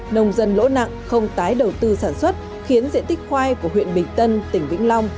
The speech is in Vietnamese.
nông dân lỗ nặng không tái đầu tư sản xuất khiến diện tích khoai của huyện bình tân tỉnh vĩnh long